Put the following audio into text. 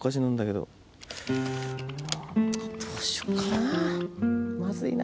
どうしようかな？